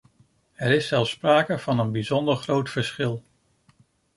Er is zelfs sprake van een bijzonder groot verschil.